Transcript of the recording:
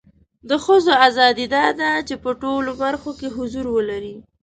د خځو اذادی دا ده چې په ټولو برخو کې حضور ولري